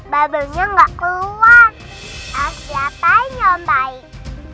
bubble nya gak keluar harus dilapain ya mbaik